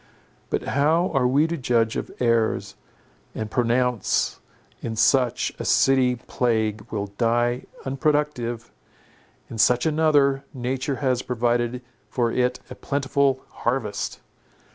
But how are we to judge of airs, and pronounce—in such a city plague will die unproductive; in such another, nature has provided for it a plentiful harvest?